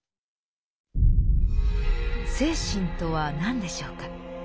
「精神」とは何でしょうか？